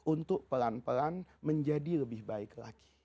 untuk pelan pelan menjadi lebih baik lagi